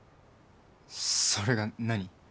それが何？